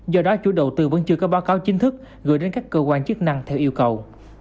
do đó chủ đầu tư vẫn chưa có báo cáo chính thức gửi đến các cơ quan chức năng theo yêu cầu